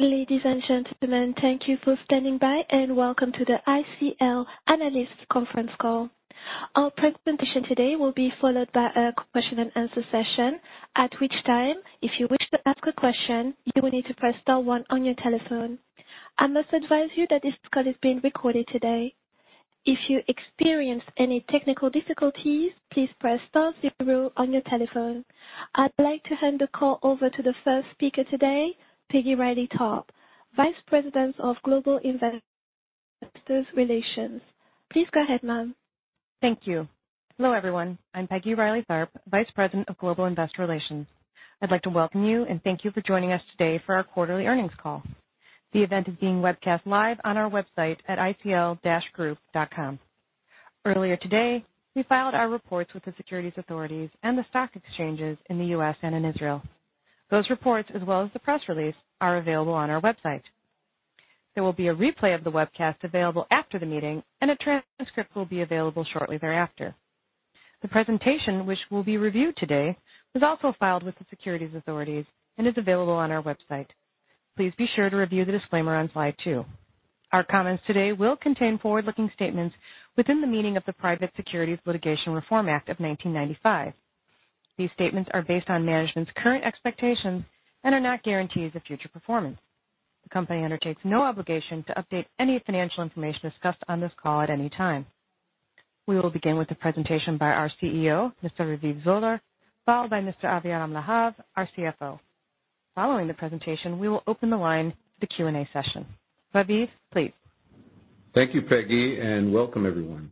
Ladies and gentlemen, thank you for standing by, and welcome to the ICL Analyst Conference Call. Our presentation today will be followed by a question and answer session, at which time, if you wish to ask a question, you will need to press star one on your telephone. I must advise you that this call is being recorded today. If you experience any technical difficulties, please press star zero on your telephone. I'd like to hand the call over to the first speaker today, Peggy Reilly Tharp, Vice President of Global Investor Relations. Please go ahead, ma'am. Thank you. Hello, everyone. I'm Peggy Reilly Tharp, Vice President of Global Investor Relations. I'd like to welcome you and thank you for joining us today for our quarterly earnings call. The event is being webcast live on our website at icl-group.com. Earlier today, we filed our reports with the securities authorities and the stock exchanges in the U.S. and in Israel. Those reports, as well as the press release, are available on our website. There will be a replay of the webcast available after the meeting, and a transcript will be available shortly thereafter. The presentation, which will be reviewed today, was also filed with the securities authorities and is available on our website. Please be sure to review the disclaimer on slide two. Our comments today will contain forward-looking statements within the meaning of the Private Securities Litigation Reform Act of 1995. These statements are based on management's current expectations and are not guarantees of future performance. The company undertakes no obligation to update any financial information discussed on this call at any time. We will begin with a presentation by our CEO, Mr. Raviv Zoller, followed by Mr. Aviram Lahav, our CFO. Following the presentation, we will open the line to the Q&A session. Raviv, please. Thank you, Peggy, and welcome everyone.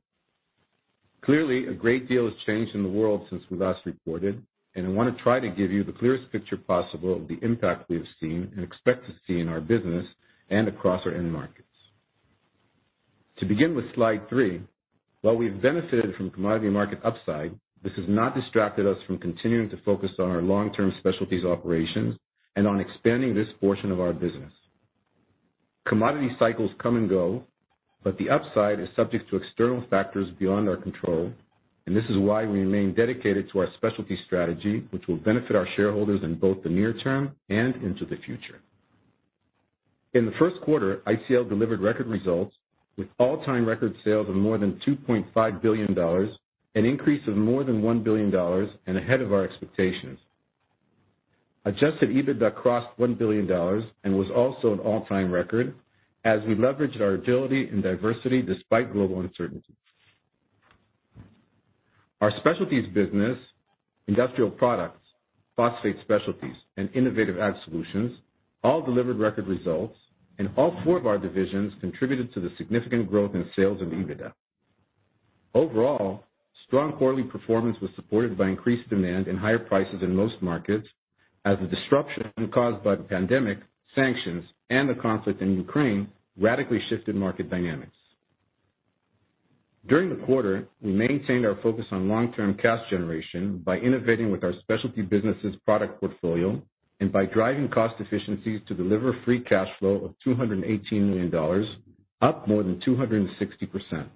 Clearly, a great deal has changed in the world since we last reported, and I want to try to give you the clearest picture possible of the impact we have seen and expect to see in our business and across our end markets. To begin with slide three, while we've benefited from commodity market upside, this has not distracted us from continuing to focus on our long-term specialties operations and on expanding this portion of our business. Commodity cycles come and go, but the upside is subject to external factors beyond our control, and this is why we remain dedicated to our specialty strategy, which will benefit our shareholders in both the near term and into the future. In the Q1, ICL delivered record results with all-time record sales of more than $2.5 billion, an increase of more than $1 billion and ahead of our expectations. Adjusted EBITDA crossed $1 billion and was also an all-time record as we leveraged our agility and diversity despite global uncertainty. Our specialties business, Industrial Products, Phosphate Solutions, and Innovative Ag Solutions all delivered record results, and all four of our divisions contributed to the significant growth in sales and EBITDA. Overall, strong quarterly performance was supported by increased demand and higher prices in most markets as the disruption caused by the pandemic, sanctions, and the conflict in Ukraine radically shifted market dynamics. During the quarter, we maintained our focus on long-term cash generation by innovating with our specialty businesses product portfolio and by driving cost efficiencies to deliver free cash flow of $218 million, up more than 260%.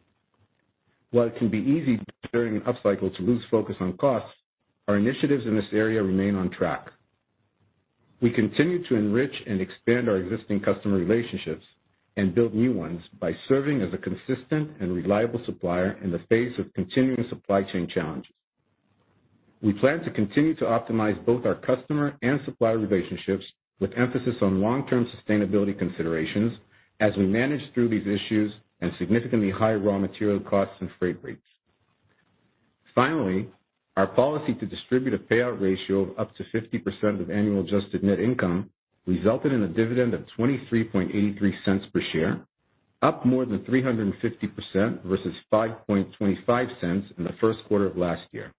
While it can be easy during an upcycle to lose focus on costs, our initiatives in this area remain on track. We continue to enrich and expand our existing customer relationships and build new ones by serving as a consistent and reliable supplier in the face of continuing supply chain challenges. We plan to continue to optimize both our customer and supplier relationships with emphasis on long-term sustainability considerations as we manage through these issues and significantly higher raw material costs and freight rates. Finally, our policy to distribute a pay-out ratio of up to 50% of annual adjusted net income resulted in a dividend of $0.2383 per share, up more than 350% versus $0.0525 in the Q1 of last year.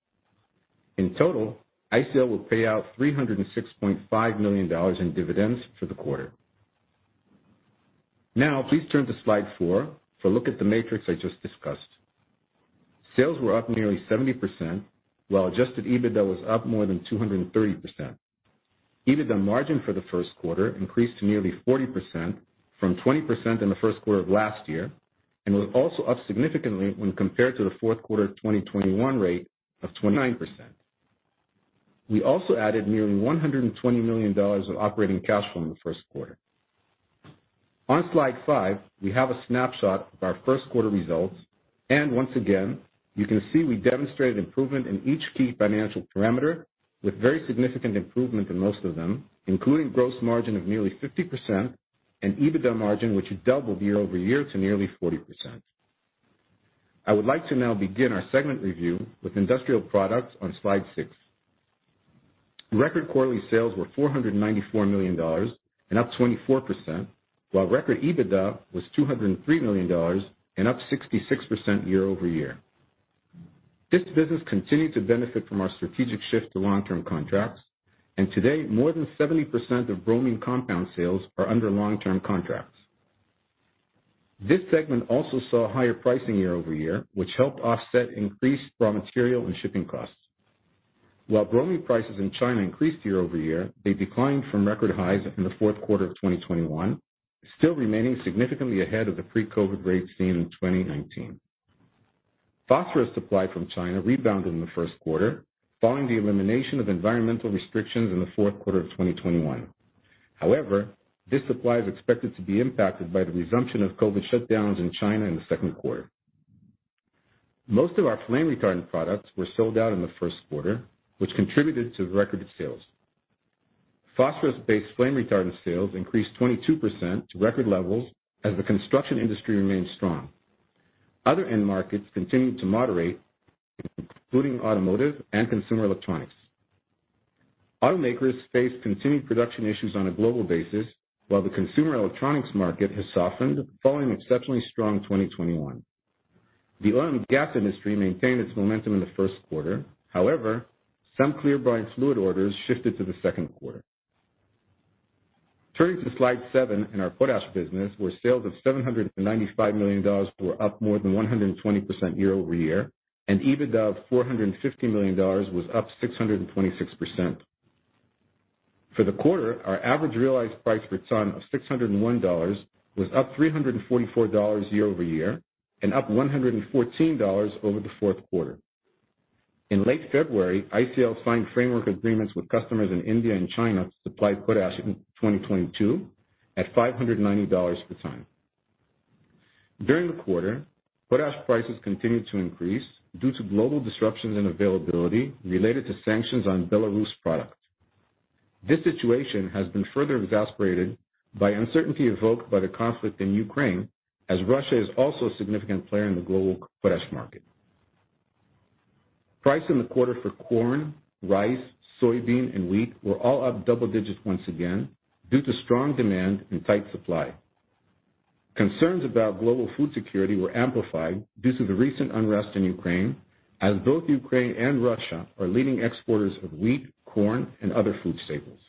In total, ICL will pay out $306.5 million in dividends for the quarter. Now, please turn to slide four for a look at the matrix I just discussed. Sales were up nearly 70%, while Adjusted EBITDA was up more than 230%. EBITDA margin for the Q1 increased to nearly 40% from 20% in the Q1 of last year and was also up significantly when compared to the Q4 of 2021 rate of 29%. We also added nearly $120 million of operating cash flow in the Q1. On slide five, we have a snapshot of our Q1 results. Once again, you can see we demonstrated improvement in each key financial parameter with very significant improvement in most of them, including gross margin of nearly 50% and EBITDA margin, which doubled year-over-year to nearly 40%. I would like to now begin our segment review with Industrial Products on slide six. Record quarterly sales were $494 million and up 24%, while record EBITDA was $203 million and up 66% year-over-year. This business continued to benefit from our strategic shift to long-term contracts, and today more than 70% of bromine compound sales are under long-term contracts. This segment also saw higher pricing year-over-year, which helped offset increased raw material and shipping costs. While bromine prices in China increased year-over-year, they declined from record highs in the Q4 of 2021, still remaining significantly ahead of the pre-COVID rates seen in 2019. Phosphorus supply from China rebounded in the Q1 following the elimination of environmental restrictions in the Q4 of 2021. However, this supply is expected to be impacted by the resumption of COVID shutdowns in China in the Q2. Most of our flame retardant products were sold out in the Q1, which contributed to record sales. Phosphorus-based flame retardant sales increased 22% to record levels as the construction industry remained strong. Other end markets continued to moderate, including automotive and consumer electronics. Automakers faced continued production issues on a global basis, while the consumer electronics market has softened following exceptionally strong 2021. The oil and gas industry maintained its momentum in the Q1. However, some Clear Brine Fluid orders shifted to the Q2. Turning to slide seven in our Potash business, where sales of $795 million were up more than 120% year-over-year, and EBITDA of $450 million was up 626%. For the quarter, our average realized price per ton of $601 was up $344 year-over-year and up $114 over the Q4. In late February, ICL signed framework agreements with customers in India and China to supply potash in 2022 at $590 per ton. During the quarter, potash prices continued to increase due to global disruptions in availability related to sanctions on Belarus product. This situation has been further exacerbated by uncertainty evoked by the conflict in Ukraine, as Russia is also a significant player in the global potash market. Prices in the quarter for corn, rice, soybean, and wheat were all up double digits once again due to strong demand and tight supply. Concerns about global food security were amplified due to the recent unrest in Ukraine, as both Ukraine and Russia are leading exporters of wheat, corn, and other food staples.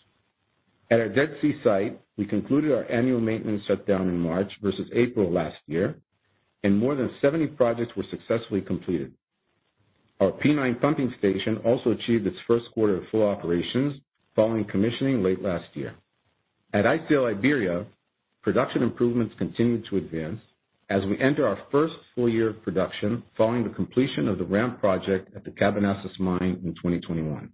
At our Dead Sea site, we concluded our annual maintenance shutdown in March versus April last year, and more than 70 projects were successfully completed. Our P9 pumping station also achieved its Q1 of full operations following commissioning late last year. At ICL Iberia, production improvements continued to advance as we enter our first full year of production following the completion of the ramp project at the Cabanasses mine in 2021.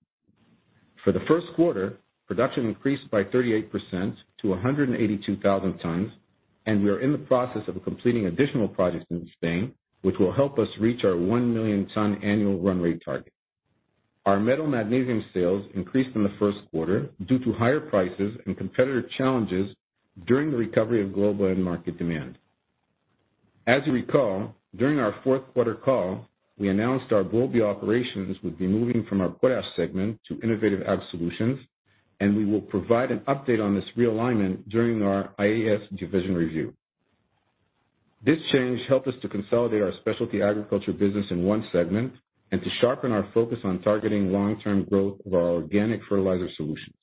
For the Q1, production increased by 38% to 182,000 tons, and we are in the process of completing additional projects in Spain, which will help us reach our 1 million ton annual run rate target. Our metal magnesium sales increased in the Q1 due to higher prices and competitor challenges during the recovery of global end market demand. As you recall, during our Q4 call, we announced our Boulby operations would be moving from our Potash segment to Innovative Ag Solutions, and we will provide an update on this realignment during our IAS division review. This change helped us to consolidate our specialty agriculture business in one segment and to sharpen our focus on targeting long-term growth of our organic fertilizer solutions.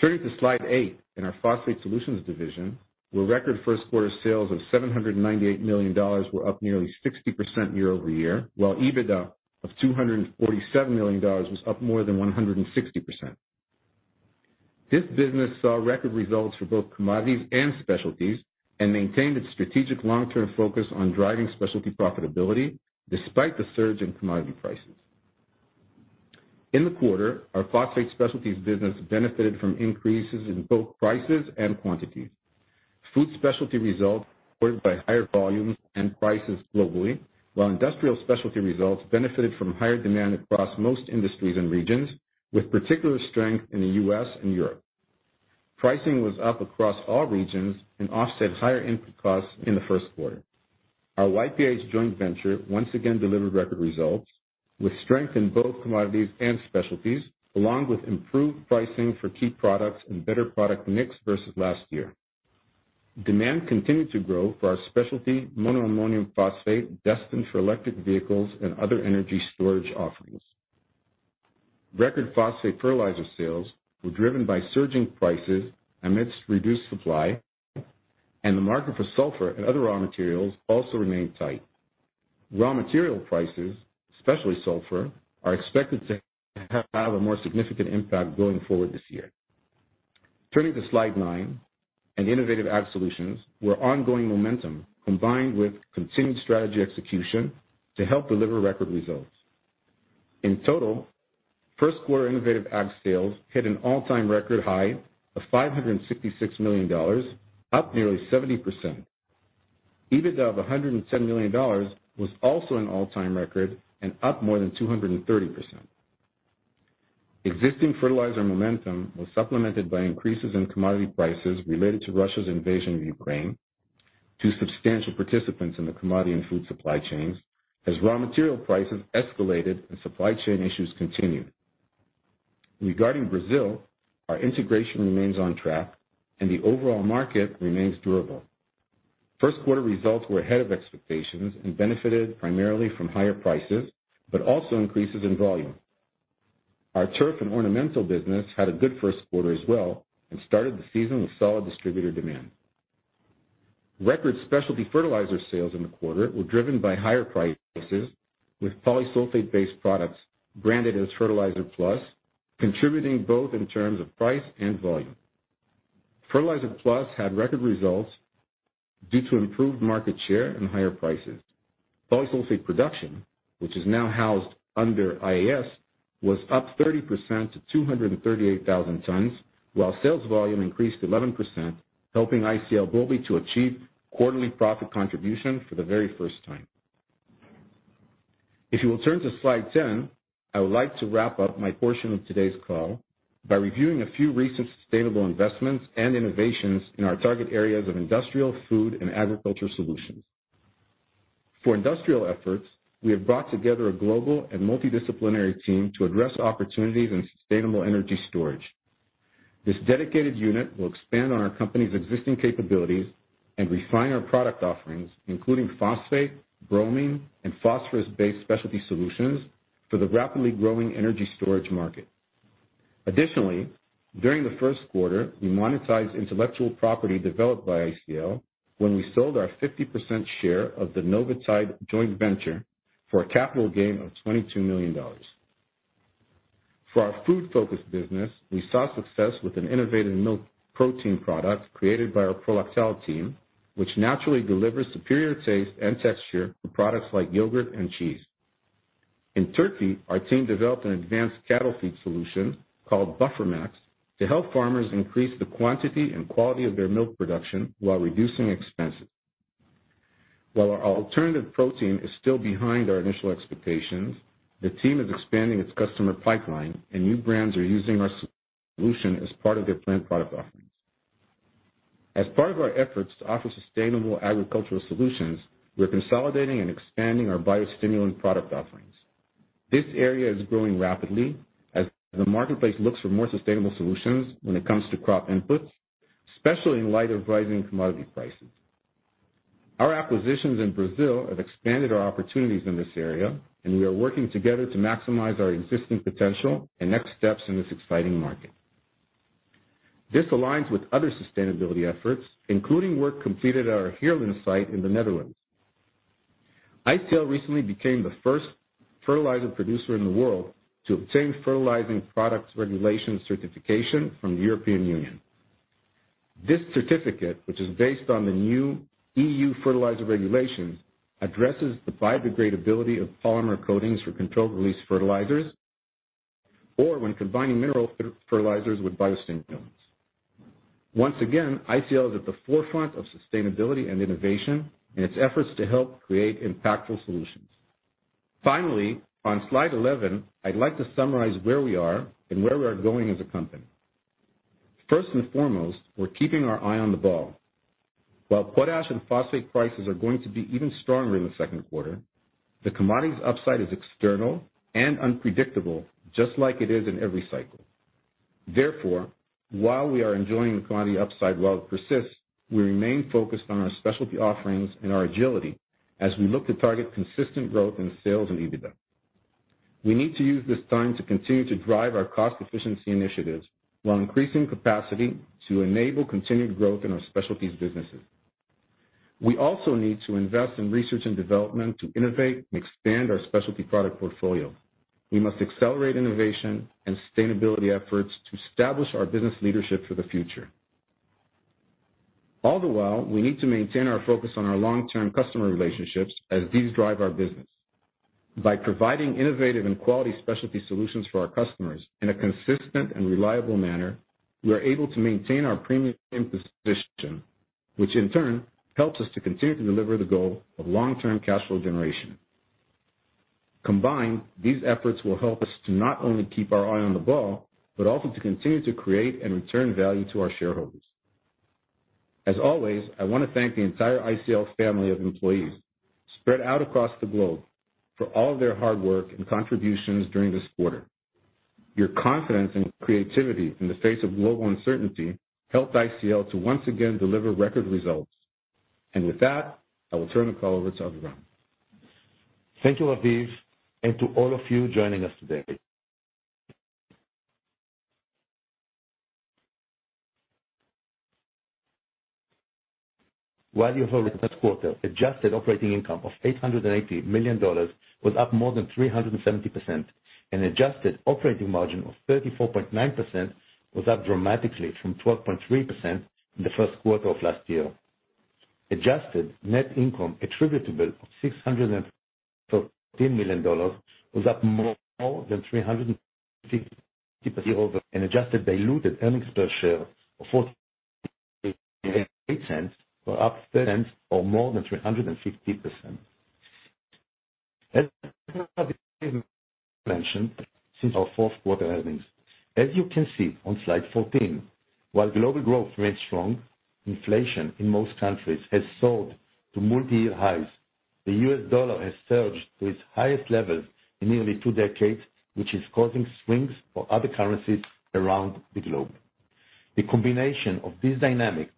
Turning to slide eight in our Phosphate Solutions division, where record Q1 sales of $798 million were up nearly 60% year-over-year, while EBITDA of $247 million was up more than 160%. This business saw record results for both commodities and specialties and maintained its strategic long-term focus on driving specialty profitability despite the surge in commodity prices. In the quarter, our phosphate specialties business benefited from increases in both prices and quantities. Food specialty results supported by higher volumes and prices globally, while industrial specialty results benefited from higher demand across most industries and regions, with particular strength in the U.S. and Europe. Pricing was up across all regions and offset higher input costs in the Q1. Our YPH joint venture once again delivered record results with strength in both commodities and specialties, along with improved pricing for key products and better product mix versus last year. Demand continued to grow for our specialty monoammonium phosphate destined for electric vehicles and other energy storage offerings. Record phosphate fertilizer sales were driven by surging prices amidst reduced supply, and the market for sulfur and other raw materials also remained tight. Raw material prices, especially sulfur, are expected to have a more significant impact going forward this year. Turning to Slide nine and Innovative Ag Solutions, where ongoing momentum combined with continued strategy execution to help deliver record results. In total, Q1 Innovative Ag sales hit an all-time record high of $566 million, up nearly 70%. EBITDA of $110 million was also an all-time record and up more than 230%. Existing fertilizer momentum was supplemented by increases in commodity prices related to Russia's invasion of Ukraine, to substantial participants in the commodity and food supply chains, as raw material prices escalated and supply chain issues continued. Regarding Brazil, our integration remains on track and the overall market remains durable. Q1 results were ahead of expectations and benefited primarily from higher prices, but also increases in volume. Our turf and ornamental business had a good Q1 as well and started the season with solid distributor demand. Record specialty fertilizer sales in the quarter were driven by higher prices, with Polysulphate-based products branded as FertilizerpluS contributing both in terms of price and volume. FertilizerpluS had record results due to improved market share and higher prices. Polysulphate production, which is now housed under IAS, was up 30% to 238,000 tons, while sales volume increased 11%, helping ICL Group to achieve quarterly profit contribution for the very first time. If you will turn to slide 10, I would like to wrap up my portion of today's call by reviewing a few recent sustainable investments and innovations in our target areas of industrial, food, and agriculture solutions. For industrial efforts, we have brought together a global and multidisciplinary team to address opportunities in sustainable energy storage. This dedicated unit will expand on our company's existing capabilities and refine our product offerings, including phosphate, bromine, and phosphorus-based specialty solutions for the rapidly growing energy storage market. Additionally, during the Q1, we monetized intellectual property developed by ICL when we sold our 50% share of the Novetide joint venture for a capital gain of $22 million. For our food-focused business, we saw success with an innovative milk protein product created by our Prolactal team, which naturally delivers superior taste and texture for products like yogurt and cheese. In Turkey, our team developed an advanced cattle feed solution called Buffermax to help farmers increase the quantity and quality of their milk production while reducing expenses. While our alternative protein is still behind our initial expectations, the team is expanding its customer pipeline and new brands are using our solution as part of their plant product offerings. As part of our efforts to offer sustainable agricultural solutions, we are consolidating and expanding our bio stimulant product offerings. This area is growing rapidly as the marketplace looks for more sustainable solutions when it comes to crop inputs, especially in light of rising commodity prices. Our acquisitions in Brazil have expanded our opportunities in this area, and we are working together to maximize our existing potential and next steps in this exciting market. This aligns with other sustainability efforts, including work completed at our Heerlen site in the Netherlands. ICL recently became the first fertilizer producer in the world to obtain Fertilising Products Regulation Certification from the European Union. This certificate, which is based on the new EU fertilizer regulations, addresses the biodegradability of polymer coatings for controlled-release fertilizers or when combining mineral fertilizers with bio stimulants. Once again, ICL is at the forefront of sustainability and innovation in its efforts to help create impactful solutions. Finally, on slide 11, I'd like to summarize where we are and where we are going as a company. First and foremost, we're keeping our eye on the ball. While potash and phosphate prices are going to be even stronger in the Q2, the commodities upside is external and unpredictable, just like it is in every cycle. Therefore, while we are enjoying the commodity upside while it persists, we remain focused on our specialty offerings and our agility as we look to target consistent growth in sales and EBITDA. We need to use this time to continue to drive our cost efficiency initiatives while increasing capacity to enable continued growth in our specialties businesses. We also need to invest in research and development to innovate and expand our specialty product portfolio. We must accelerate innovation and sustainability efforts to establish our business leadership for the future. All the while, we need to maintain our focus on our long-term customer relationships as these drive our business. By providing innovative and quality specialty solutions for our customers in a consistent and reliable manner, we are able to maintain our premium position, which in turn helps us to continue to deliver the goal of long-term cash flow generation. Combined, these efforts will help us to not only keep our eye on the ball, but also to continue to create and return value to our shareholders. As always, I want to thank the entire ICL family of employees spread out across the globe for all their hard work and contributions during this quarter. Your confidence and creativity in the face of global uncertainty helped ICL to once again deliver record results. With that, I will turn the call over to Aviram. Thank you, Raviv, and to all of you joining us today. While you heard this quarter, adjusted operating income of $880 million was up more than 370% and adjusted operating margin of 34.9% was up dramatically from 12.3% in the Q1 of last year. Adjusted net income attributable of $613 million was up more than 350% year-over-year and adjusted diluted earnings per share of $0.48 were up $0.30 or more than 350%. As mentioned since our Q4earnings. As you can see on slide 14, while global growth remains strong, inflation in most countries has soared to multi-year highs. The U.S. dollar has surged to its highest levels in nearly two decades, which is causing swings for other currencies around the globe. The combination of these dynamics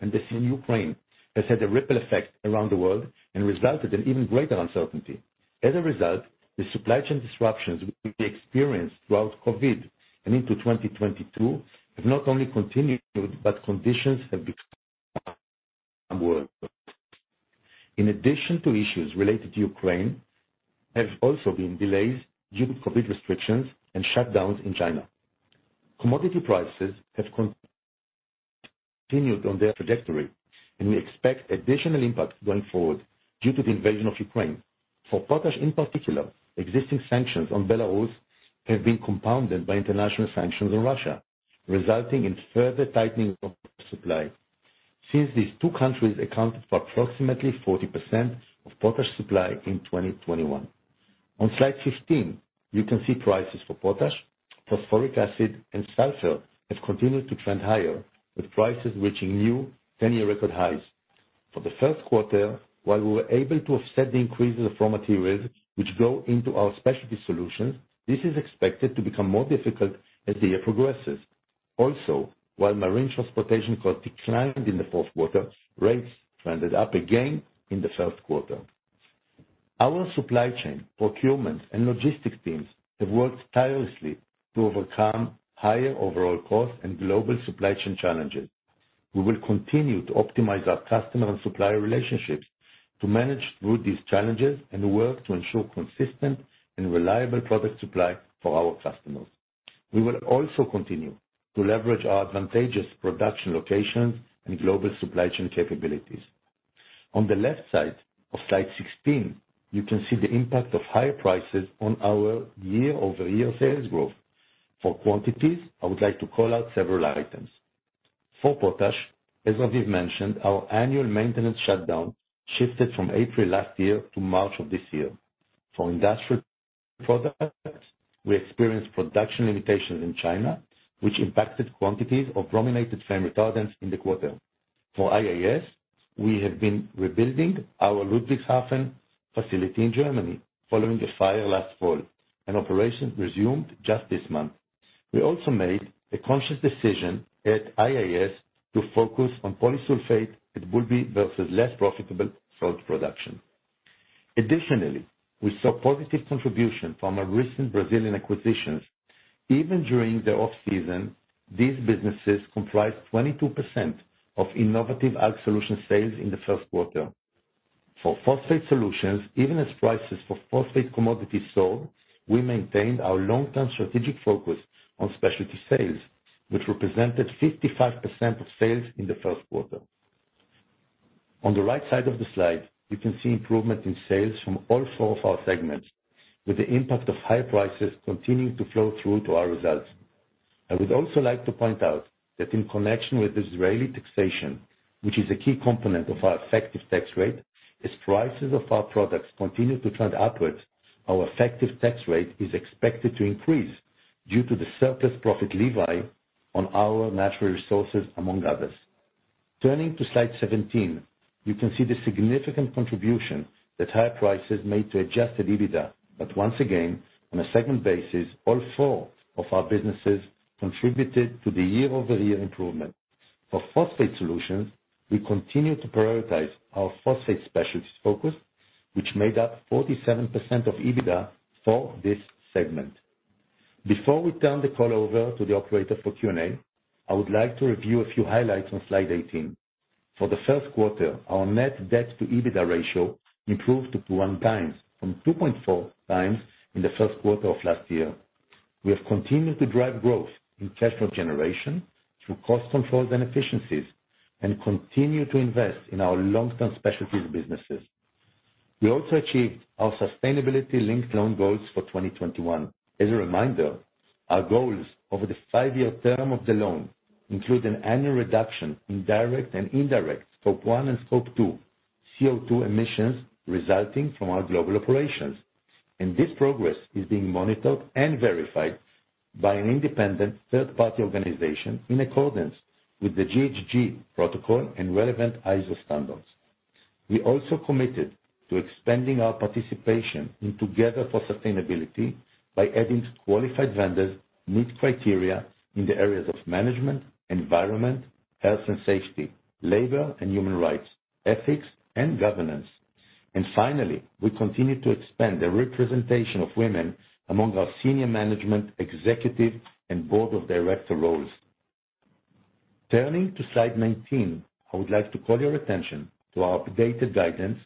and the war in Ukraine has had a ripple effect around the world and resulted in even greater uncertainty. As a result, the supply chain disruptions we experienced throughout COVID and into 2022 have not only continued, but conditions have become. In addition to issues related to Ukraine, there have also been delays due to COVID restrictions and shutdowns in China. Commodity prices have continued on their trajectory, and we expect additional impact going forward due to the invasion of Ukraine. For potash in particular, existing sanctions on Belarus have been compounded by international sanctions on Russia, resulting in further tightening of supply, since these two countries accounted for approximately 40% of potash supply in 2021. On slide 15, you can see prices for potash, phosphoric acid, and sulfur have continued to trend higher, with prices reaching new 10-year record highs. For the Q1, while we were able to offset the increases of raw materials which go into our specialty solutions, this is expected to become more difficult as the year progresses. Also, while marine transportation costs declined in the Q4, rates trended up again in the Q1. Our supply chain, procurement, and logistics teams have worked tirelessly to overcome higher overall costs and global supply chain challenges. We will continue to optimize our customer and supplier relationships to manage through these challenges and work to ensure consistent and reliable product supply for our customers. We will also continue to leverage our advantageous production locations and global supply chain capabilities. On the left side of slide 16, you can see the impact of higher prices on our year-over-year sales growth. For quantities, I would like to call out several items. For Potash, as Raviv mentioned, our annual maintenance shutdown shifted from April last year to March of this year. For Industrial Products, we experienced production limitations in China, which impacted quantities of brominated flame retardants in the quarter. For IAS, we have been rebuilding our Ludwigshafen facility in Germany following a fire last fall, and operations resumed just this month. We also made a conscious decision at IAS to focus on Polysulphate at Boulby versus less profitable salt production. Additionally, we saw positive contribution from our recent Brazilian acquisitions. Even during their off-season, these businesses comprised 22% of Innovative Ag Solutions sales in the Q1. For Phosphate Solutions, even as prices for phosphate commodities soared, we maintained our long-term strategic focus on specialty sales, which represented 55% of sales in the Q1. On the right side of the slide, you can see improvement in sales from all four of our segments, with the impact of higher prices continuing to flow through to our results. I would also like to point out that in connection with Israeli taxation, which is a key component of our effective tax rate, as prices of our products continue to trend upwards, our effective tax rate is expected to increase due to the Surplus Profit Levy on our natural resources, among others. Turning to slide 17, you can see the significant contribution that higher prices made to Adjusted EBITDA. Once again, on a segment basis, all four of our businesses contributed to the year-over-year improvement. For Phosphate Solutions, we continue to prioritize our phosphate specialties focus, which made up 47% of EBITDA for this segment. Before we turn the call over to the operator for Q&A, I would like to review a few highlights on slide 18. For the Q1, our net debt to EBITDA ratio improved to 1x from 2.4x in the Q1 of last year. We have continued to drive growth in cash flow generation through cost controls and efficiencies and continue to invest in our long-term specialties businesses. We also achieved our sustainability-linked loan goals for 2021. As a reminder, our goals over the five-year term of the loan include an annual reduction in direct and indirect Scope 1 and Scope 2 CO2 emissions resulting from our global operations. This progress is being monitored and verified by an independent third-party organization in accordance with the GHG Protocol and relevant ISO standards. We also committed to expanding our participation in Together for Sustainability by adding qualified vendors meet criteria in the areas of management, environment, health and safety, labor and human rights, ethics, and governance. Finally, we continue to expand the representation of women among our senior management, executive, and board of director roles. Turning to slide 19. I would like to call your attention to our updated guidance,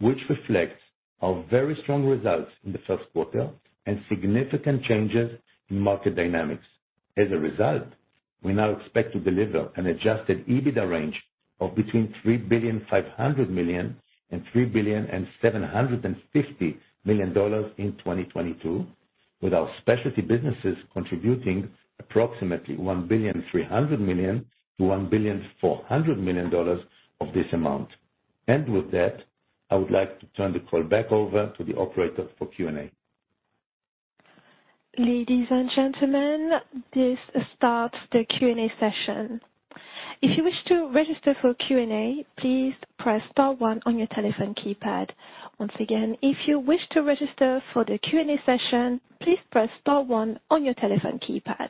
which reflects our very strong results in the Q1 and significant changes in market dynamics. As a result, we now expect to deliver an Adjusted EBITDA range of between $3.5 billion and $3.75 billion in 2022, with our specialty businesses contributing approximately $1.3 billion, $1.4 billion of this amount. With that, I would like to turn the call back over to the operator for Q&A. Ladies and gentlemen, this starts the Q&A session. If you wish to register for Q&A, please press star one on your telephone keypad. Once again, if you wish to register for the Q&A session, please press star one on your telephone keypad.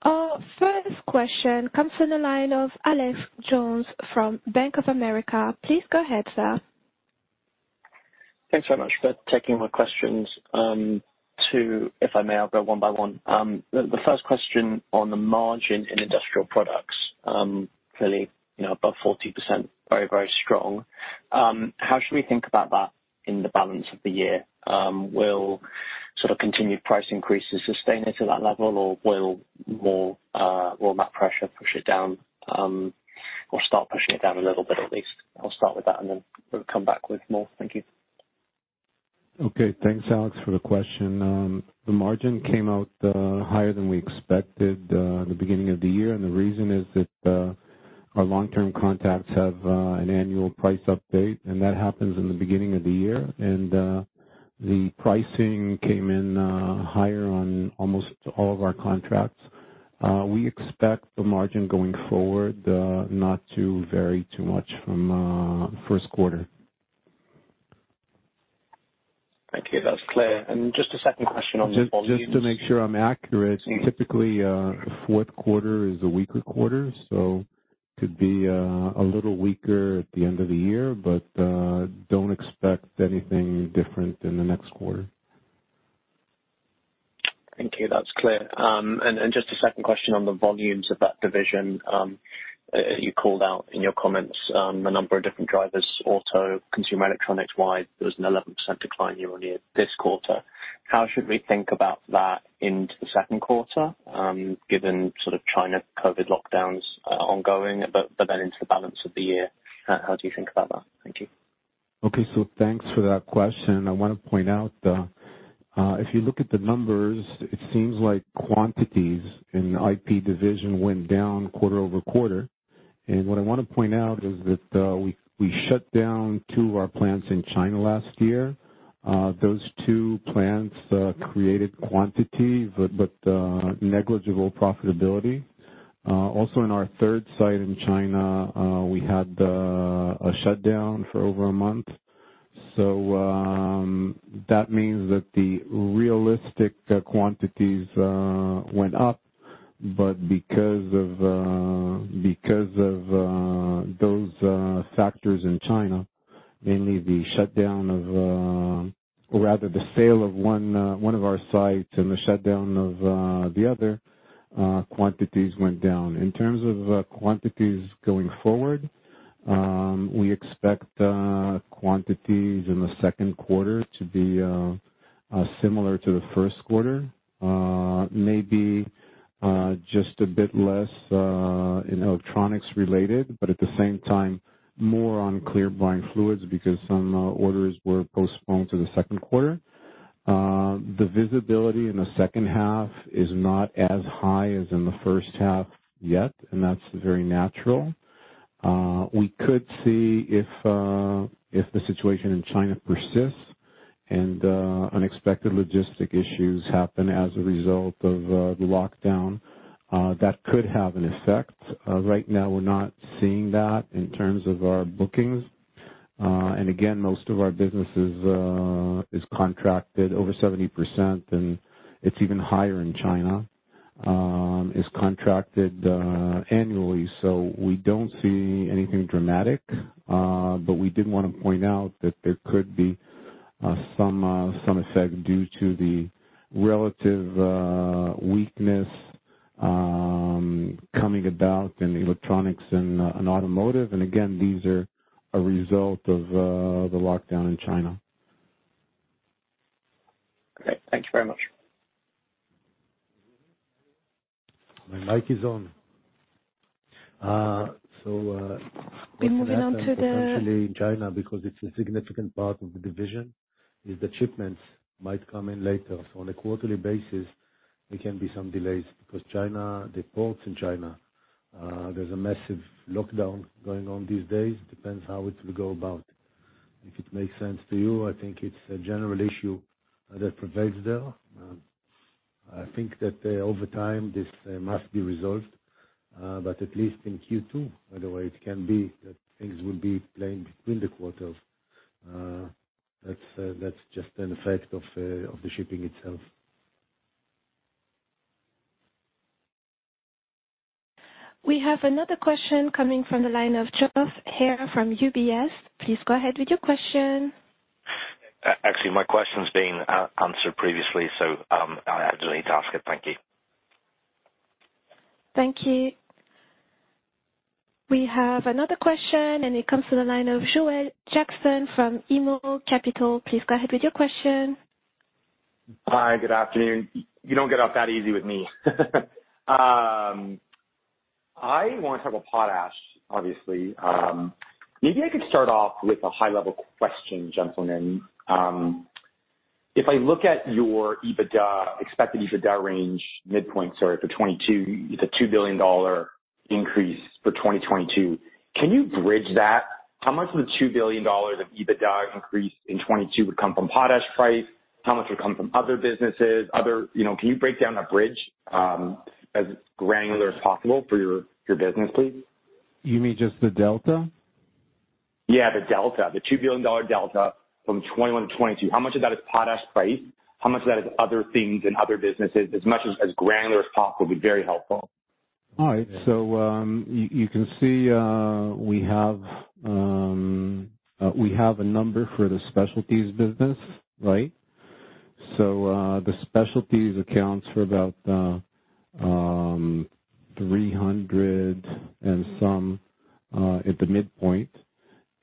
Our first question comes from the line of Alex Jones from Bank of America. Please go ahead, sir. Thanks very much for taking my questions. Two, if I may, I'll go one by one. The first question on the margin in Industrial Products, clearly, you know, above 40%, very, very strong. How should we think about that in the balance of the year? Will sort of continued price increases sustain it to that level, or will more raw material pressure push it down, or start pushing it down a little bit at least? I'll start with that, and then we'll come back with more. Thank you. Okay. Thanks, Alex, for the question. The margin came out higher than we expected in the beginning of the year. The reason is that our long-term contracts have an annual price update, and that happens in the beginning of the year. The pricing came in higher on almost all of our contracts. We expect the margin going forward not to vary too much from Q1. Thank you. That's clear. Just a second question on the volumes. Just to make sure I'm accurate. Yeah. Typically, Q4 is a weaker quarter, so could be a little weaker at the end of the year, but don't expect anything different in the next quarter. Thank you. That's clear. Just a second question on the volumes of that division, you called out in your comments a number of different drivers, auto, consumer electronics. Why there was an 11% decline year-on-year this quarter? How should we think about that into the Q2, given China COVID lockdowns are ongoing, but then into the balance of the year, how do you think about that? Thank you. Thanks for that question. I wanna point out, if you look at the numbers, it seems like quantities in the IP division went down quarter-over-quarter. What I wanna point out is that we shut down two of our plants in China last year. Those two plants created quantity but negligible profitability. Also in our third site in China, we had a shutdown for over a month. That means that the realistic quantities went up but because of those factors in China, rather the sale of one of our sites and the shutdown of the other, quantities went down. In terms of quantities going forward, we expect quantities in the Q2 to be similar to the Q1. Maybe just a bit less in electronics related, but at the same time, more on clear brine fluids because some orders were postponed to the Q2. The visibility in the H2 is not as high as in the H1 yet, and that's very natural. We could see if the situation in China persists and unexpected logistical issues happen as a result of the lockdown, that could have an effect. Right now we're not seeing that in terms of our bookings. Again, most of our businesses is contracted over 70%, and it's even higher in China, is contracted annually. We don't see anything dramatic. We did wanna point out that there could be some effect due to the relative weakness coming about in electronics and in automotive. Again, these are a result of the lockdown in China. Great. Thank you very much. My mic is on. We're moving on to the. Potentially in China because it's a significant part of the division, the shipments might come in later. On a quarterly basis, there can be some delays because China, the ports in China, there's a massive lockdown going on these days. It depends how it will go about. If it makes sense to you, I think it's a general issue that prevails there. I think that over time this must be resolved, but at least in Q2, otherwise it can be that things will be playing between the quarters. That's just an effect of the shipping itself. We have another question coming from the line of Josh Spector from UBS. Please go ahead with your question. Actually, my question's been answered previously, so I don't need to ask it. Thank you. Thank you. We have another question, and it comes to the line of Joel Jackson from BMO Capital Markets. Please go ahead with your question. Hi, good afternoon. You don't get off that easy with me. I want to talk about potash, obviously. Maybe I could start off with a high-level question, gentlemen. If I look at your EBITDA, expected EBITDA range, midpoint, sorry, for 2022, it's a $2 billion increase for 2022. Can you bridge that? How much of the $2 billion of EBITDA increase in 2022 would come from potash price? How much would come from other businesses? You know, can you break down that bridge, as granular as possible for your business, please? You mean just the delta? Yeah, the delta. The $2 billion delta from 2021 to 2022. How much of that is Potash price? How much of that is other things and other businesses? As much as granular as possible would be very helpful. All right. You can see we have a number for the specialties business, right? The specialties accounts for about 300 and some at the midpoint,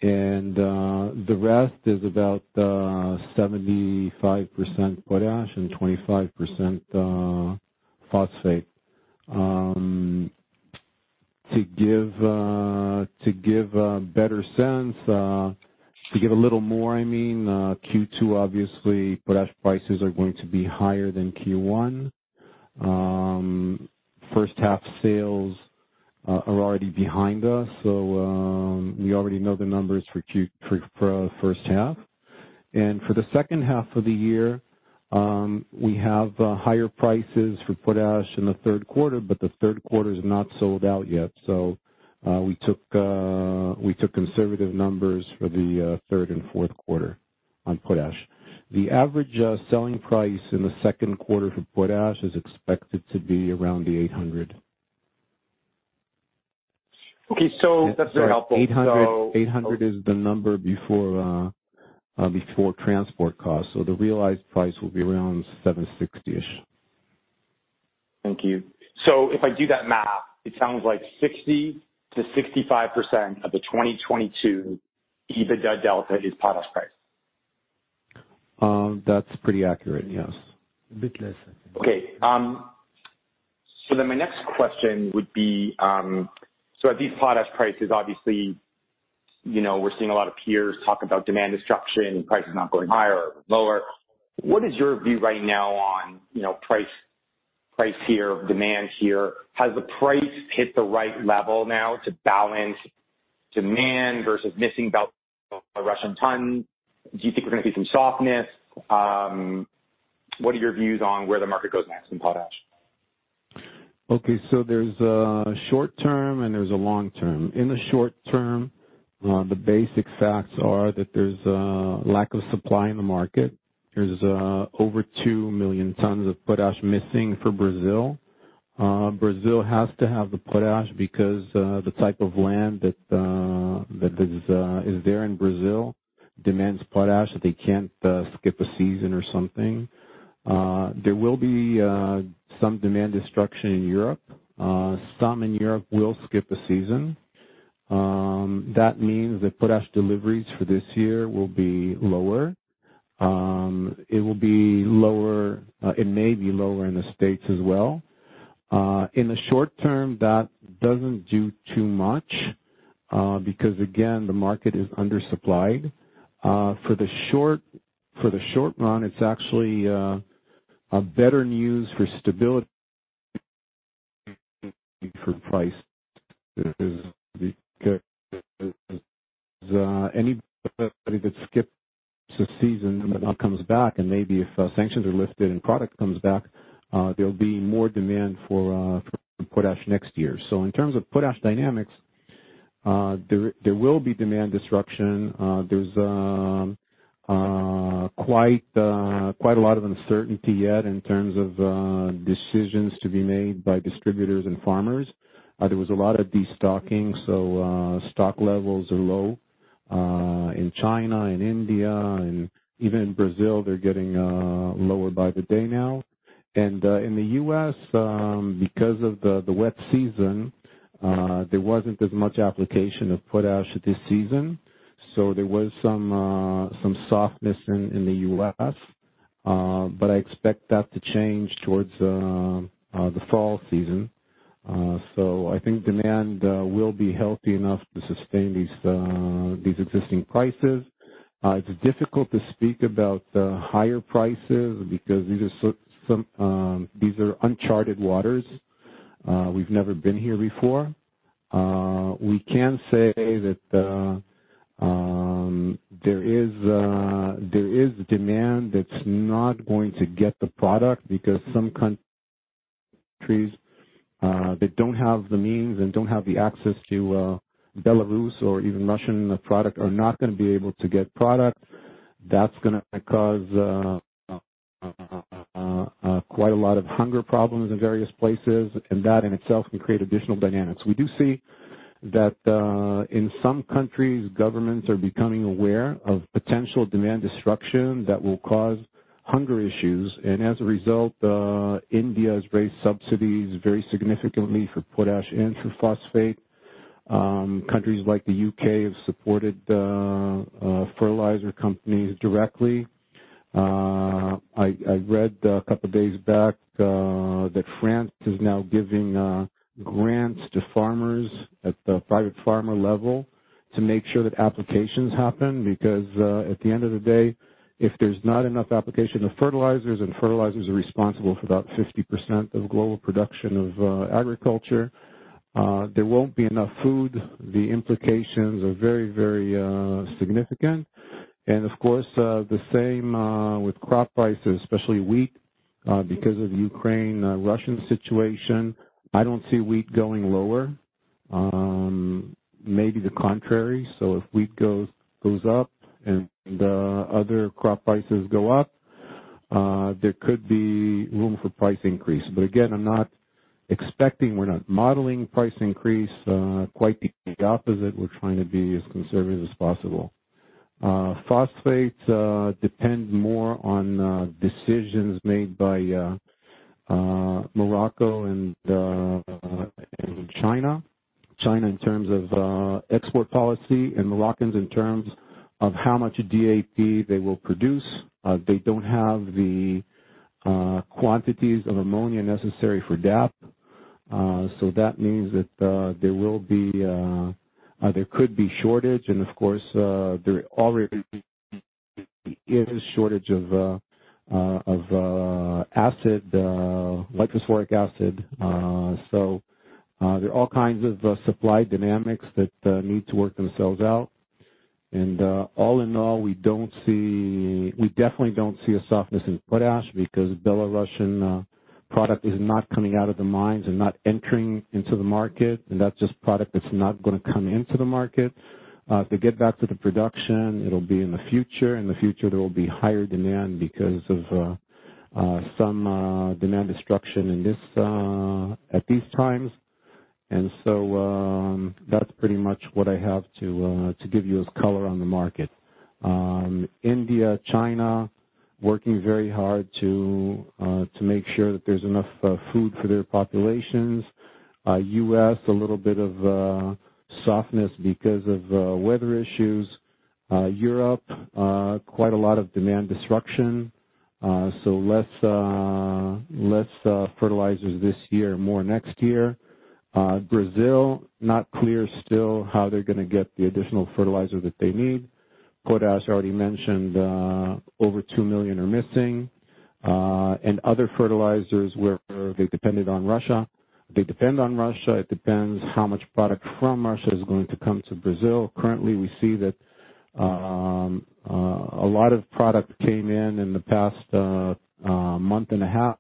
and the rest is about 75% potash and 25% phosphate. To give a better sense, I mean, Q2 obviously, potash prices are going to be higher than Q1. H1 sales are already behind us, so we already know the numbers for H1. For the H2 of the year, we have higher prices for potash in the Q3, but the Q3 is not sold out yet. We took conservative numbers for the Q3 and Q4 on potash. The average selling price in the Q2 for potash is expected to be around $800. Okay. That's very helpful. 800 is the number before transport costs. The realized price will be around $760 ish. Thank you. If I do that math, it sounds like 60-65% of the 2022 EBITDA delta is Potash price? That's pretty accurate, yes. A bit less. Okay. My next question would be, so at these potash prices, obviously, you know, we're seeing a lot of peers talk about demand destruction, prices not going higher or lower. What is your view right now on, you know, price here, demand here? Has the price hit the right level now to balance demand versus missing about a Russian ton? Do you think we're gonna see some softness? What are your views on where the market goes next in potash? Okay. There's a short term and there's a long term. In the short term, the basic facts are that there's a lack of supply in the market. There's over 2 million tons of potash missing for Brazil. Brazil has to have the potash because the type of land that is there in Brazil demands potash. They can't skip a season or something. There will be some demand destruction in Europe. Some in Europe will skip a season. That means the potash deliveries for this year will be lower. It may be lower in the States as well. In the short term, that doesn't do too much, because again, the market is undersupplied. For the short run, it's actually a better news for stability for price. Because anybody that skips a season and now comes back and maybe if sanctions are lifted and product comes back, there'll be more demand for potash next year. In terms of potash dynamics, there will be demand disruption. There's quite a lot of uncertainty yet in terms of decisions to be made by distributors and farmers. There was a lot of destocking, so stock levels are low. In China and India and even in Brazil, they're getting lower by the day now. In the U.S., because of the wet season, there wasn't as much application of potash this season, so there was some softness in the U.S. I expect that to change towards the fall season. I think demand will be healthy enough to sustain these existing prices. It's difficult to speak about higher prices because these are uncharted waters. We've never been here before. We can say that there is demand that's not going to get the product because some countries that don't have the means and don't have the access to Belarus or even Russian product are not gonna be able to get product. That's gonna cause quite a lot of hunger problems in various places, and that in itself can create additional dynamics. We do see that in some countries, governments are becoming aware of potential demand disruption that will cause hunger issues. As a result, India has raised subsidies very significantly for potash and for phosphate. Countries like the U.K. have supported fertilizer companies directly. I read a couple days back that France is now giving grants to farmers at the private farmer level to make sure that applications happen. Because at the end of the day, if there's not enough application of fertilizers, and fertilizers are responsible for about 50% of global production of agriculture, there won't be enough food. The implications are very significant. Of course, the same with crop prices, especially wheat, because of the Ukraine-Russian situation. I don't see wheat going lower. Maybe the contrary. If wheat goes up and other crop prices go up, there could be room for price increase, but again, I'm not expecting, we're not modelling price increase. Quite the opposite. We're trying to be as conservative as possible. Phosphates depend more on decisions made by Morocco and China. China in terms of export policy and Moroccans in terms of how much DAP they will produce. They don't have the quantities of ammonia necessary for DAP. So that means that there could be shortage and of course, there already is a shortage of nitric and phosphoric acid. There are all kinds of supply dynamics that need to work themselves out. All in all, we don't see. We definitely don't see a softness in potash because Belarusian product is not coming out of the mines and not entering into the market, and that's just product that's not gonna come into the market. To get back to the production, it'll be in the future. In the future, there will be higher demand because of some demand destruction in this at these times. That's pretty much what I have to give you as color on the market. India, China, working very hard to make sure that there's enough food for their populations. U.S., a little bit of softness because of weather issues. Europe, quite a lot of demand disruption. Less fertilizers this year, more next year. Brazil, not clear still how they're gonna get the additional fertilizer that they need. Potash, already mentioned, over 2 million are missing. Other fertilizers where they depended on Russia, they depend on Russia, it depends how much product from Russia is going to come to Brazil. Currently, we see that a lot of product came in in the past month and a half,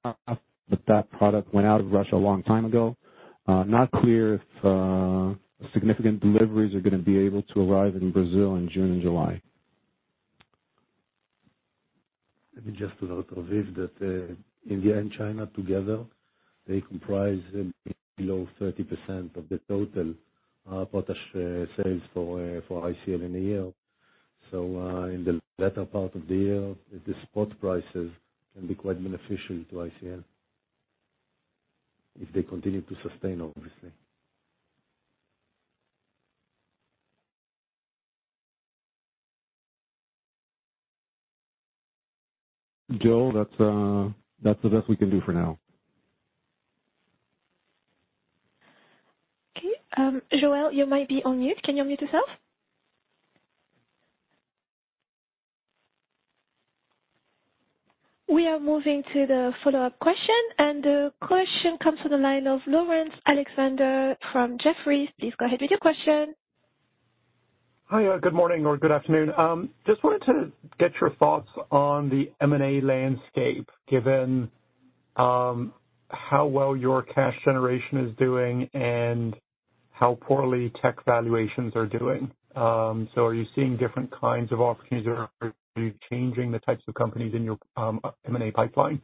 but that product went out of Russia a long time ago. Not clear if significant deliveries are gonna be able to arrive in Brazil in June and July. Let me just add, Raviv, that India and China together, they comprise below 30% of the total potash sales for ICL in a year. In the latter part of the year, the spot prices can be quite beneficial to ICL. If they continue to sustain, obviously. Joe, that's the best we can do for now. Okay. Joel, you might be on mute. Can you mute yourself? We are moving to the follow-up question, and the question comes to the line of Laurence Alexander from Jefferies. Please go ahead with your question. Hi. Good morning or good afternoon. Just wanted to get your thoughts on the M&A landscape, given how well your cash generation is doing and how poorly tech valuations are doing. Are you seeing different kinds of opportunities? Or are you changing the types of companies in your M&A pipeline?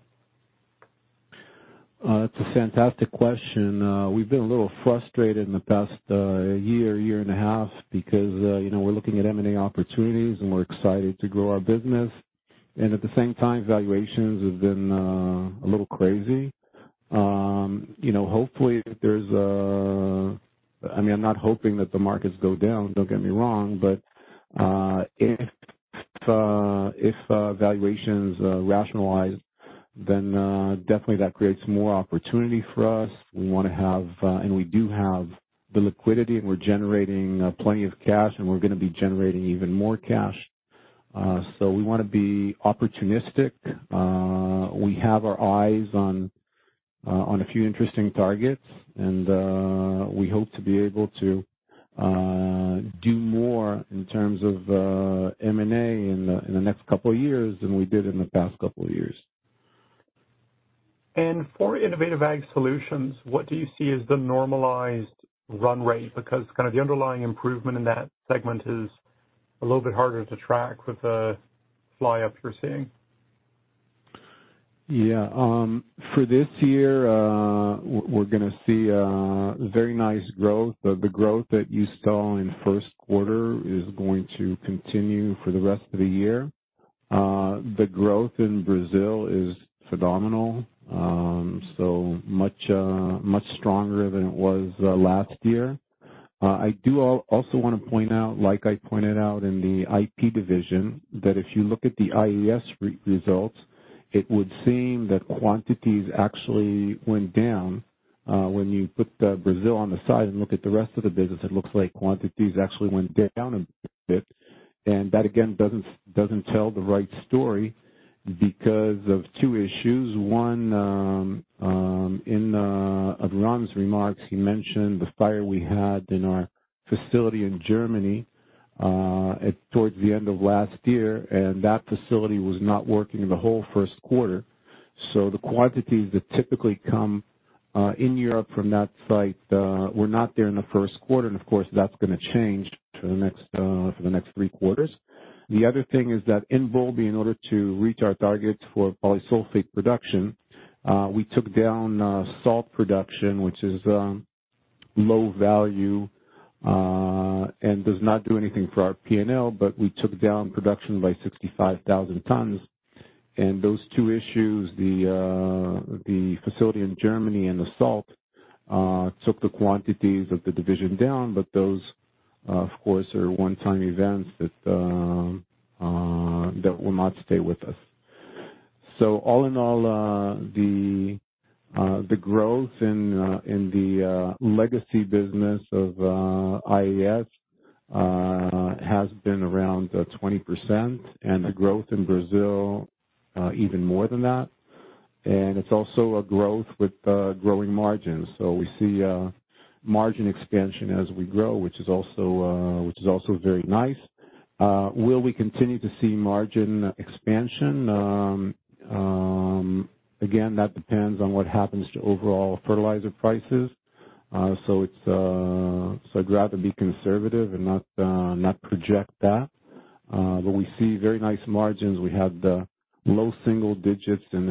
It's a fantastic question. We've been a little frustrated in the past year and a half because, you know, we're looking at M&A opportunities and we're excited to grow our business. At the same time valuations have been a little crazy. You know, hopefully, I mean, I'm not hoping that the markets go down, don't get me wrong but if valuations rationalize, then definitely that creates more opportunity for us. We wanna have, and we do have the liquidity, and we're generating plenty of cash and we're gonna be generating even more cash. We wanna be opportunistic. We have our eyes on a few interesting targets, and we hope to be able to do more in terms of M&A in the next couple of years than we did in the past couple of years. For Innovative Ag Solutions, what do you see as the normalized run rate? Because kind of the underlying improvement in that segment is a little bit harder to track with the fly-ups we're seeing. Yeah. For this year, we're gonna see a very nice growth. The growth that you saw in Q1 is going to continue for the rest of the year. The growth in Brazil is phenomenal, so much stronger than it was last year. I do also wanna point out, like I pointed out in the IP division, that if you look at the IAS results, it would seem that quantities actually went down. When you put Brazil on the side and look at the rest of the business, it looks like quantities actually went down a bit. That, again, doesn't tell the right story because of two issues. In Aviram's remarks, he mentioned the fire we had in our facility in Germany towards the end of last year, and that facility was not working the whole first quarter. The quantities that typically come in Europe from that site were not there in the Q1. Of course, that's gonna change for the next three quarters. The other thing is that in Boulby, in order to reach our targets for Polysulphate production, we took down salt production, which is low value and does not do anything for our P&L, but we took down production by 65,000 tons. Those two issues, the facility in Germany and the salt, took the quantities of the division down. Those, of course, are one-time events that will not stay with us. All in all, the growth in the legacy business of IAS has been around 20%, and the growth in Brazil even more than that. It's also a growth with growing margins. We see margin expansion as we grow, which is also very nice. Will we continue to see margin expansion? Again, that depends on what happens to overall fertilizer prices. I'd rather be conservative and not project that. We see very nice margins. We had low single digits in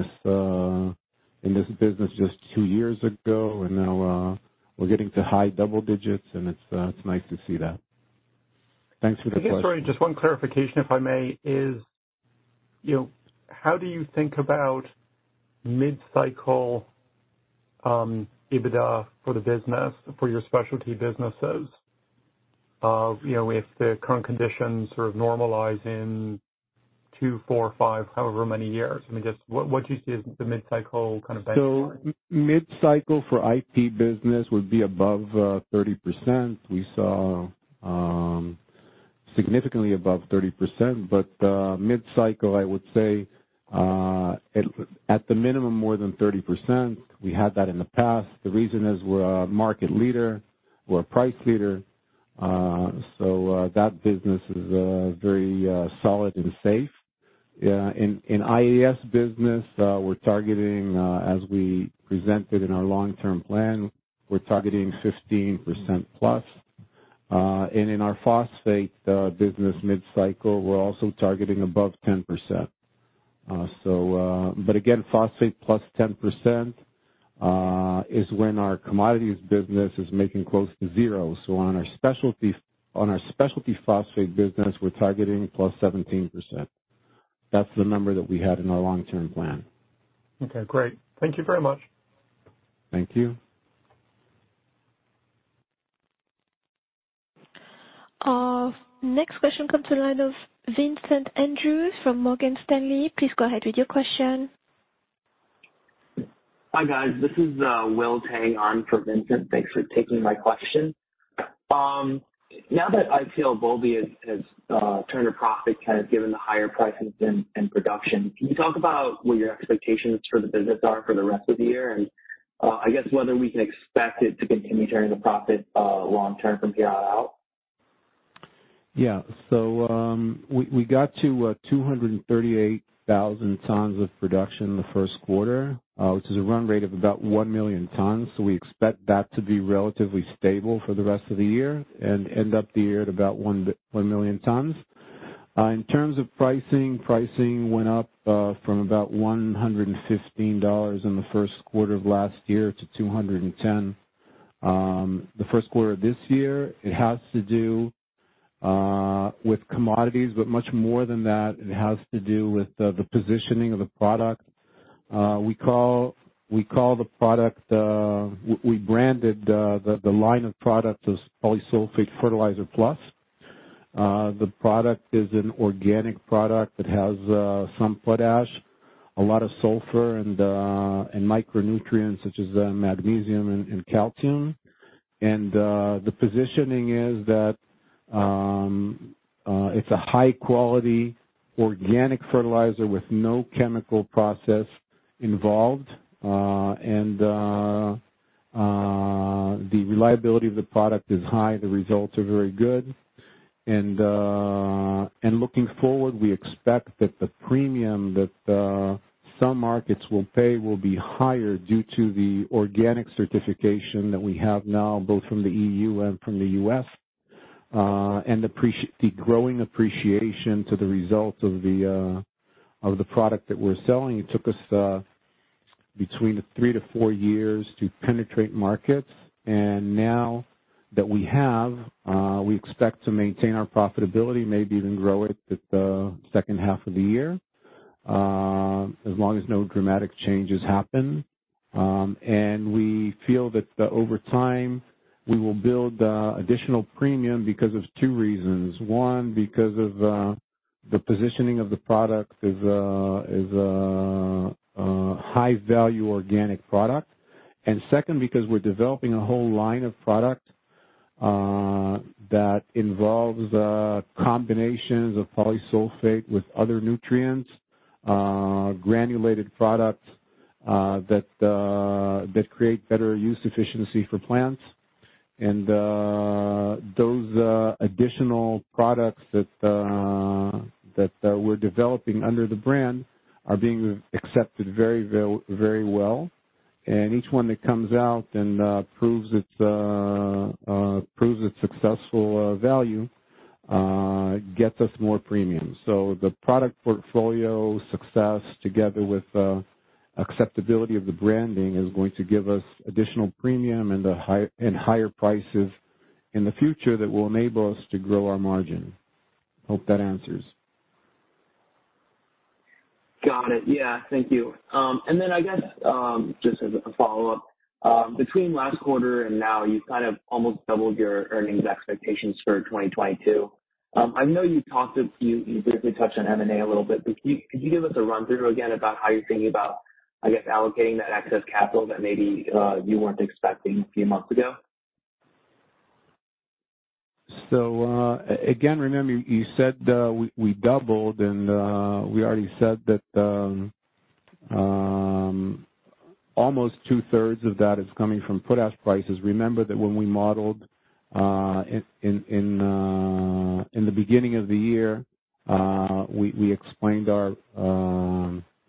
this business just two years ago, and now we're getting to high double digits, and it's nice to see that. Thanks for the question. Sorry, just one clarification, if I may, is, you know, how do you think about mid-cycle EBITDA for the business, for your specialty businesses of, you know, if the current conditions normalize in two, four, five, however many years. I mean, just what do you see as the mid-cycle kind of baseline? Mid-cycle for IP business would be above 30%. We saw significantly above 30%. Mid-cycle, I would say at the minimum, more than 30%. We had that in the past. The reason is we're a market leader. We're a price leader. That business is very solid and safe. In IAS business, we're targeting, as we presented in our long-term plan, we're targeting 15%+. In our phosphate business mid-cycle, we're also targeting above 10%. Again, phosphate +10% is when our commodities business is making close to zero. On our specialty phosphate business, we're targeting +17%. That's the number that we had in our long-term plan. Okay, great. Thank you very much. Thank you. Next question comes to the line of Vincent Andrews from Morgan Stanley. Please go ahead with your question. Hi, guys. This is Will Tang on for Vincent Andrews. Thanks for taking my question. Now that I feel Boulby has turned a profit given the higher prices and production, can you talk about what your expectations for the business are for the rest of the year? I guess whether we can expect it to continue turning a profit long term from here on out. Yeah. We got to 238,000 tons of production in the Q1, which is a run rate of about 1 million tons. We expect that to be relatively stable for the rest of the year and end up the year at about 1 million tons. In terms of pricing went up from about $115 in the Q1 of last year to $210 in the Q1 of this year. It has to do with commodities, but much more than that, it has to do with the positioning of the product. We call the product, we branded the line of products as Polysulphate FertilizerPlus. The product is an organic product that has some potash, a lot of sulfur and micronutrients such as magnesium and calcium. The positioning is that it's a high-quality organic fertilizer with no chemical process involved. The reliability of the product is high. The results are very good. Looking forward, we expect that the premium that some markets will pay will be higher due to the organic certification that we have now, both from the EU and from the U.S. The growing appreciation to the results of the product that we're selling. It took us between three to four years to penetrate markets. Now that we have, we expect to maintain our profitability, maybe even grow it with the H2 of the year, as long as no dramatic changes happen. We feel that over time, we will build additional premium because of two reasons. One, because of the positioning of the product is a high-value organic product. Second, because we're developing a whole line of product that involves combinations of Polysulphate with other nutrients, granulated products that create better use efficiency for plants. Those additional products that we're developing under the brand are being accepted very well. Each one that comes out and proves its successful value gets us more premium. The product portfolio success together with acceptability of the branding is going to give us additional premium and higher prices in the future that will enable us to grow our margin. Hope that answers. Got it. Yeah, thank you. Just as a follow-up, between last quarter and now, you've kind of almost doubled your earnings expectations for 2022. I know you briefly touched on M&A a little bit, but could you give us a run-through again about how you're thinking about, I guess, allocating that excess capital that maybe you weren't expecting a few months ago? Again, remember you said we doubled and we already said that almost two-thirds of that is coming from potash prices. Remember that when we modelled in the beginning of the year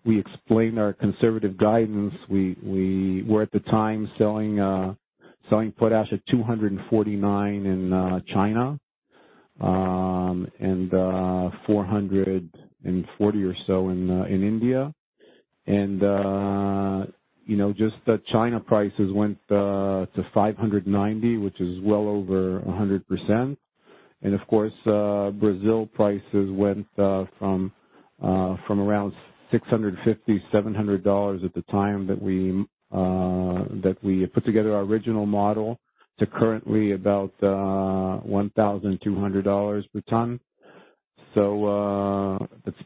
we explained our conservative guidance. We were at the time selling potash at $249 in China and $ 440 or so in India. You know, just the China prices went to $ 590, which is well over 100%. Of course, Brazil prices went from around $650, $700 at the time that we put together our original model to currently about $1,200 per ton.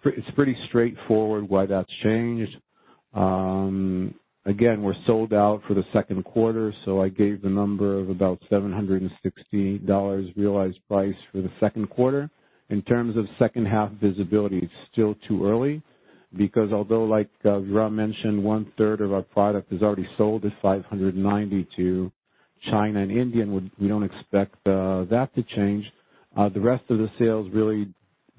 It's pretty straightforward why that's changed. Again, we're sold out for the second quarter, so I gave the number of about $760 realized price for the Q2. In terms of H2 visibility, it's still too early because although like Aviram mentioned, one-third of our product is already sold at $590 to China and India, and we don't expect that to change. The rest of the sales really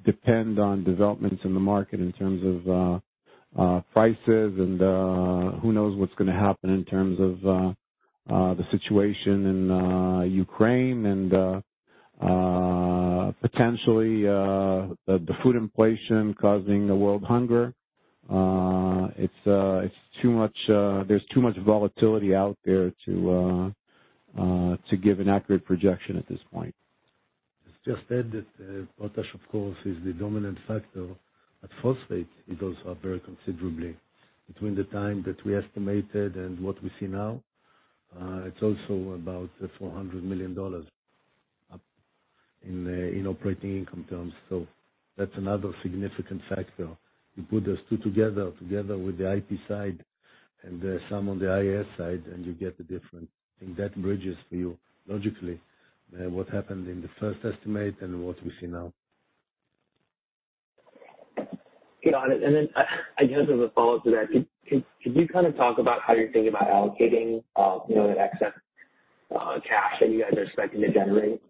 depend on developments in the market in terms of prices and who knows what's gonna happen in terms of the situation in Ukraine and potentially the food inflation causing the world hunger. It's too much, there's too much volatility out there to give an accurate projection at this point. Just add that, potash of course is the dominant factor. At phosphate it goes up very considerably. Between the time that we estimated and what we see now, it's also about $400 million up in operating income terms. So that's another significant factor. You put those two together with the IP side and some on the IAS side, and you get the difference. That bridges for you logically what happened in the first estimate and what we see now. Got it. I guess as a follow-up to that, could you kind of talk about how you're thinking about allocating, you know, that excess cash that you guys are expecting to generate?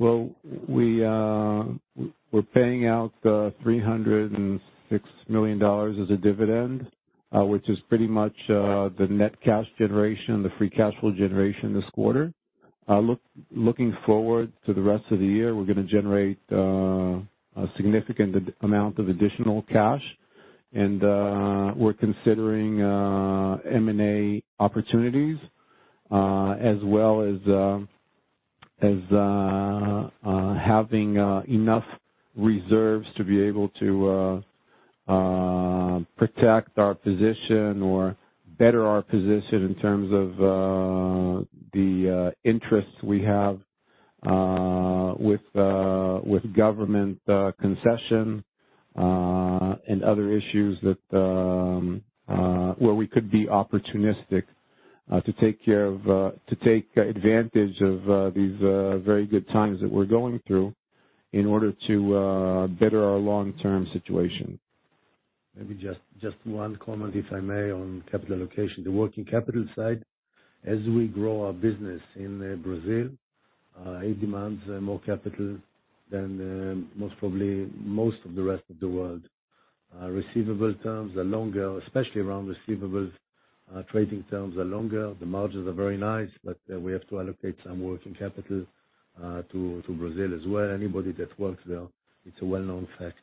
Well, we're paying out $306 million as a dividend, which is pretty much the net cash generation, the free cash flow generation this quarter. Looking forward to the rest of the year, we're gonna generate a significant amount of additional cash. We're considering M&A opportunities as well as having enough reserves to be able to protect our position or better our position in terms of the interests we have with government concession and other issues where we could be opportunistic to take advantage of these very good times that we're going through in order to better our long-term situation. Maybe just one comment, if I may, on capital allocation. The working capital side, as we grow our business in Brazil, it demands more capital than most probably the rest of the world. Receivable terms are longer, especially around receivables, trading terms are longer. The margins are very nice, but we have to allocate some working capital to Brazil as well. Anybody that works there, it's a well-known fact.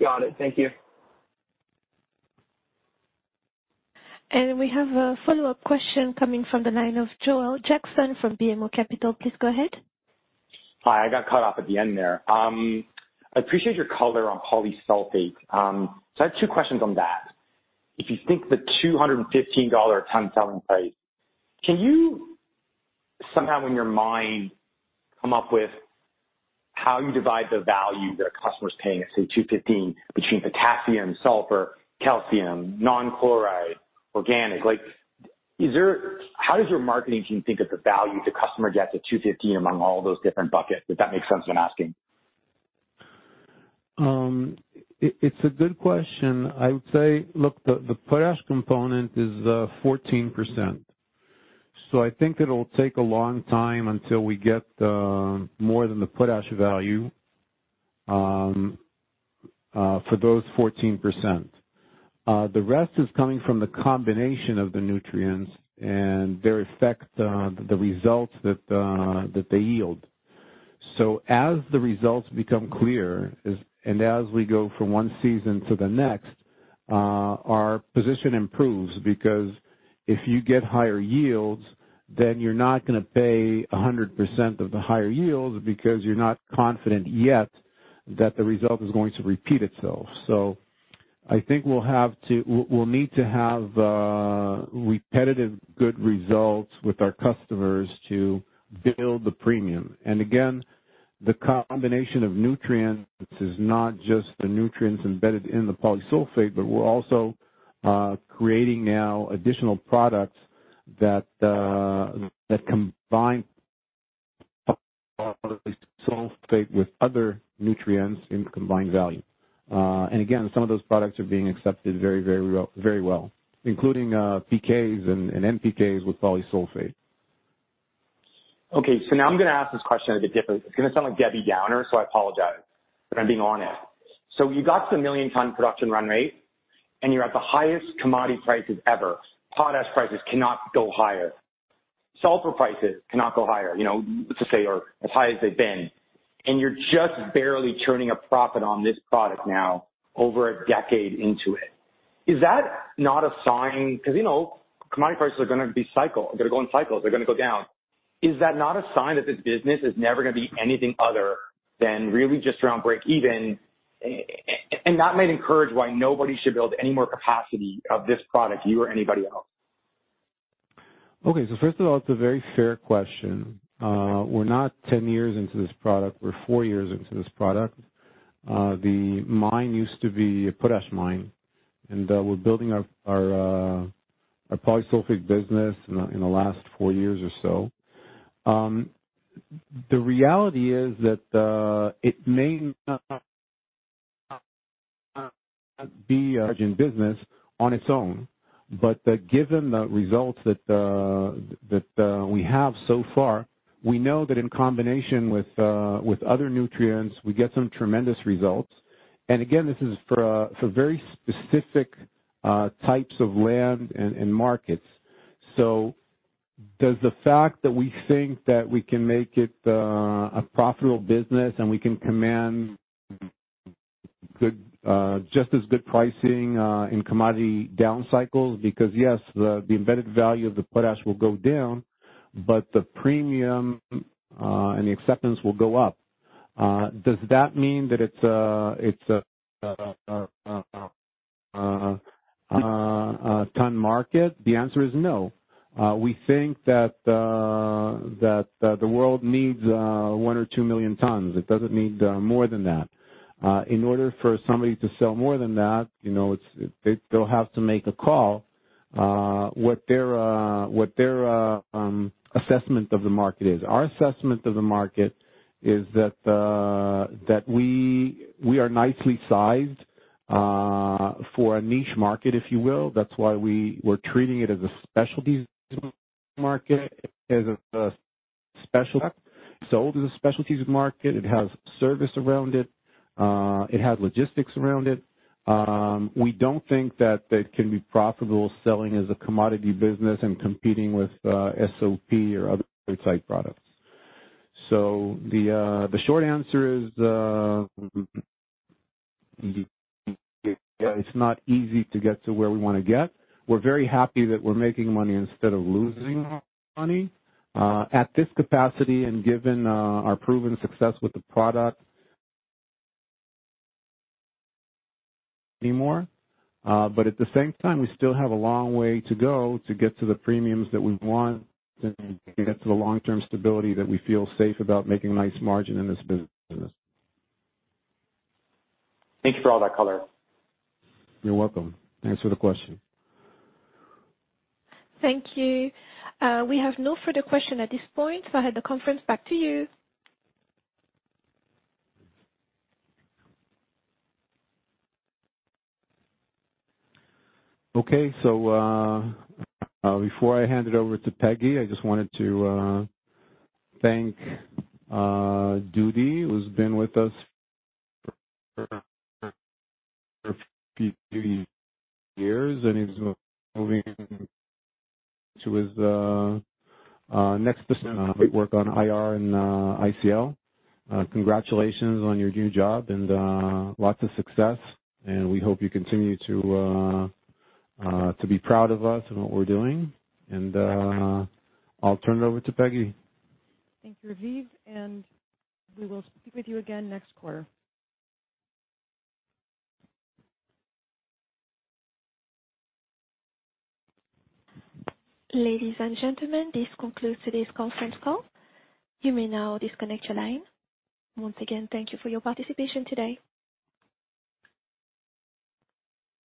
Got it. Thank you. We have a follow-up question coming from the line of Joel Jackson from BMO Capital Markets. Please go ahead. Hi. I got cut off at the end there. I appreciate your color on Polysulphate. I have two questions on that. If you think the $215 a ton selling price, can you somehow in your mind come up with how you divide the value that a customer's paying at, say, $215 between potassium, sulfur, calcium, non-chloride, organic? Like, how does your marketing team think of the value the customer gets at $215 among all those different buckets? Does that make sense what I'm asking? It's a good question. I would say look, the potash component is 14%, so I think it'll take a long time until we get more than the potash value for those 14%. The rest is coming from the combination of the nutrients and their effect on the results that they yield. As the results become clear, and as we go from one season to the next, our position improves. Because if you get higher yields, then you're not gonna pay 100% of the higher yields because you're not confident yet that the result is going to repeat itself. I think we'll need to have repetitive good results with our customers to build the premium. The combination of nutrients is not just the nutrients embedded in the Polysulphate, but we're also creating now additional products that combine sulfate with other nutrients in combined value. Some of those products are being accepted very well, including PKs and NPKs with Polysulphate. Okay, now I'm gonna ask this question a bit different. It's gonna sound like Debbie Downer, so I apologize, but I'm being honest. You got to the 1 million ton production run rate, and you're at the highest commodity prices ever. Potash prices cannot go higher. Sulfur prices cannot go higher, you know, let's just say are as high as they've been, and you're just barely turning a profit on this product now over a decade into it. Is that not a sign? Because you know, commodity prices are gonna go in cycles, they're gonna go down. Is that not a sign that this business is never gonna be anything other than really just around break even? And that might encourage why nobody should build any more capacity of this product, you or anybody else. Okay, so first of all, it's a very fair question. We're not 10 years into this product, we're four years into this product. The mine used to be a potash mine, and we're building our Polysulphate business in the last four years or so. The reality is that it may not be a margin business on its own, but given the results that we have so far, we know that in combination with other nutrients, we get some tremendous results. Again, this is for very specific types of land and markets. Does the fact that we think that we can make it a profitable business and we can command good just as good pricing in commodity down cycles because, yes, the embedded value of the potash will go down, but the premium and the acceptance will go up. Does that mean that it's a ton market? The answer is no. We think that the world needs 1million to 2 million tons. It doesn't need more than that. In order for somebody to sell more than that they will have to make a call what their assessment of the market is. Our assessment of the market is that we are nicely sized for a niche market, if you will. That's why we were treating it as a specialties market, as a specialty sold as a specialties market. It has service around it. It has logistics around it. We don't think that it can be profitable selling as a commodity business and competing with SOP or other type products. The short answer is, it's not easy to get to where we wanna get. We're very happy that we're making money instead of losing money at this capacity and given our proven success with the product anymore. At the same time, we still have a long way to go to get to the premiums that we want to get to the long-term stability that we feel safe about making a nice margin in this business. Thank you for all that color. You're welcome. Thanks for the question. Thank you. We have no further question at this point, so I hand the conference back to you. Okay. Before I hand it over to Peggy, I just wanted to thank Dudi, who's been with us for a few years, and he's moving to his next venture. Great work on IR and ICL. Congratulations on your new job and lots of success, and we hope you continue to be proud of us and what we're doing. I'll turn it over to Peggy. Thank you, Raviv, and we will speak with you again next quarter. Ladies and gentlemen, this concludes today's conference call. You may now disconnect your line. Once again, thank you for your participation today.